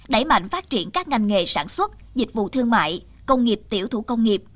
đẩy mạnh phát triển các ngành nghề sản xuất dịch vụ thương mại công nghiệp tiểu thủ công nghiệp